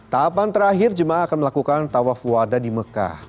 tahapan terakhir jemaah akan melakukan tawaf wadah di mekah